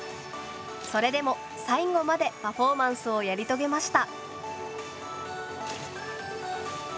それでも最後までパフォーマンスをやり遂げました。